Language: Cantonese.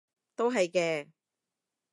都係嘅